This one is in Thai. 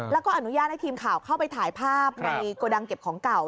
แล้วก็อนุญาตให้ทีมข่าวเข้าไปถ่ายภาพในโกดังเก็บของเก่า